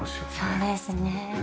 そうですね。